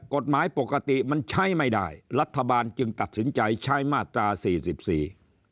กฎหมายปกติมันใช้ไม่ได้รัฐบาลจึงตัดสินใจใช้มาตราสี่สิบสี่